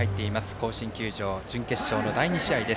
甲子園球場、準決勝の第２試合。